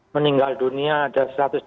meninggal dunia ada satu ratus dua puluh